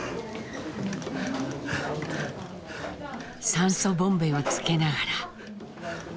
酸素ボンベをつけながら。